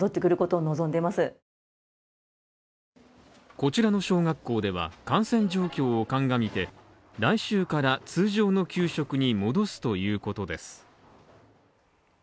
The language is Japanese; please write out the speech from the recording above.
こちらの小学校では感染状況を鑑みて来週から通常の給食に戻すということです